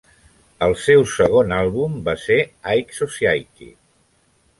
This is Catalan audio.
El seu segon àlbum va ser "High Society".